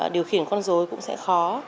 điều khiển con dối cũng sẽ khó